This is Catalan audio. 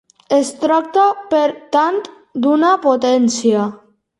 Es tracta per tant d'una potència.